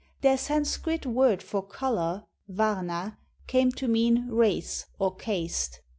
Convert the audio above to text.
Their Sanskrit word for "color" (i arna) came to mean ■■race" or '■ caste."